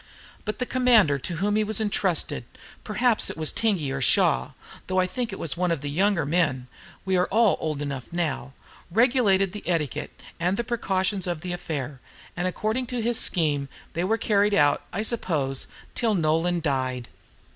But the commander to whom he was intrusted, perhaps it was Tingey or Shaw, though I think it was one of the younger men, we are all old enough now, regulated the etiquette and the precautions of the affair, and according to his scheme they were carried out, I suppose, till Nolan died.